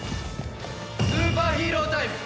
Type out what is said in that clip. スーパーヒーロータイム。